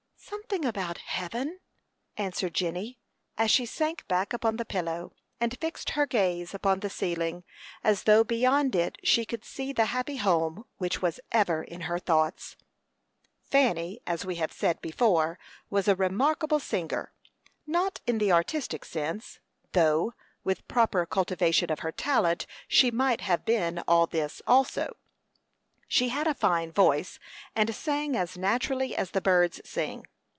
"Something about heaven?" answered Jenny, as she sank back upon the pillow, and fixed her gaze upon the ceiling, as though beyond it she could see the happy home which, was ever in her thoughts. Fanny, as we have said before, was a remarkable singer, not in the artistic sense, though, with proper cultivation of her talent, she might have been all this also. She had a fine voice, and sang as naturally as the birds sing.